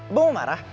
abah mau marah